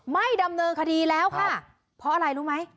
ไม่ดำเนินคดีแล้วค่ะเพราะอะไรรู้ไหม